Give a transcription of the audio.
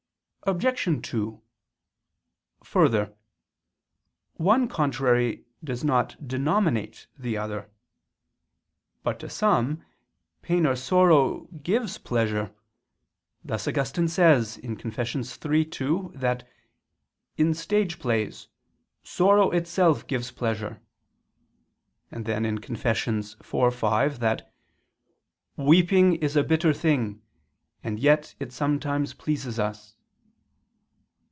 Obj. 2: Further, one contrary does not denominate the other. But to some, pain or sorrow gives pleasure: thus Augustine says (Confess. iii, 2) that in stage plays sorrow itself gives pleasure: and (Confess. iv, 5) that "weeping is a bitter thing, and yet it sometimes pleases us."